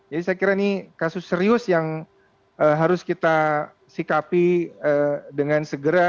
jadi saya kira ini kasus serius yang harus kita sikapi dengan segera